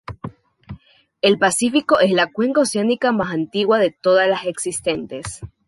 El Pacífico es la cuenca oceánica más antigua de todas las existentes.